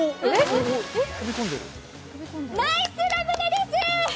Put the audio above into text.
ナイスラムネです！